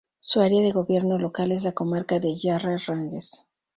Su área de gobierno local es la Comarca de Yarra Ranges.